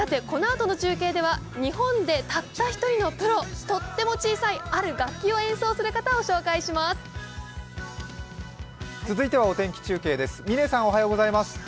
このあとの中継では日本でたった１人のプロ、とっても小さいある楽器を演奏する方を紹介します。